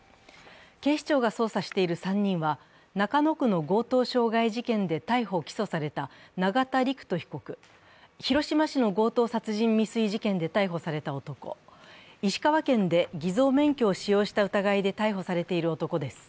警視庁が捜査している３人は中野区の強盗傷害事件で逮捕・起訴された永田陸人被告広島市の強盗殺人未遂事件で逮捕された男、石川県で偽造免許を使用した疑いで逮捕されている男です。